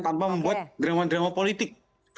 tanpa membuat drama drama politik